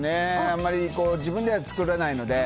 あんまり自分では作らないので。